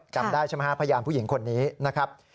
จำได้ใช่ไหมฮะพยานผู้หญิงคนนี้นะครับ